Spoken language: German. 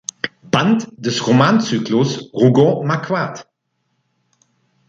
Band des Romanzyklus Rougon-Macquart.